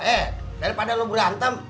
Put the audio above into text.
eh daripada lu berantem